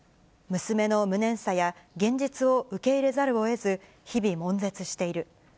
娘の無念さや現実の受け入れざるをえず、日々、もん絶している。